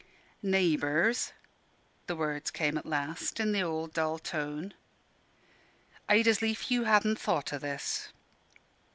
"Naybours," the words came at last, in the old dull tone; "I'd as lief you hadn' thought o' this."